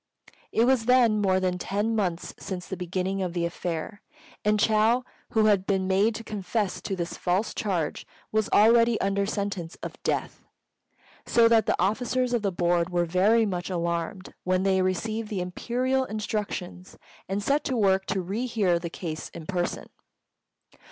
It was then more than ten months since the beginning of the affair, and Chou, who had been made to confess to this false charge, was already under sentence of death; so that the officers of the Board were very much alarmed when they received the Imperial instructions, and set to work to re hear the case in person.